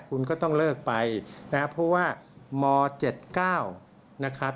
คุณก็ต้องเลิกไปนะครับเพราะว่าม๗๙นะครับ